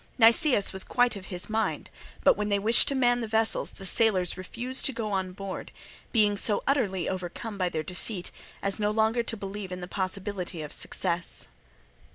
Nicias was quite of his mind; but when they wished to man the vessels, the sailors refused to go on board, being so utterly overcome by their defeat as no longer to believe in the possibility of success.